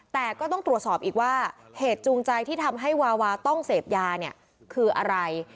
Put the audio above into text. แต่ก็ต้องตรวจสอบอีกว่าเหตุจูงใจที่ทำให้วาวาต้องเสพยาเนี่ยคืออะไร